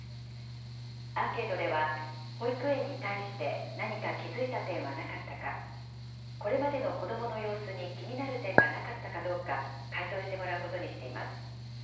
アンケートでは、保育園に対して何か気付いた点はなかったか、これまでの子どもの様子に気になる点がなかったかどうか回答してもらうことにしています。